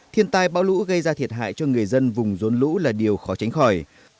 thiên tai bão lũ gây ra thiệt hại cho người dân vùng rốn lũ là điều khó tránh khỏi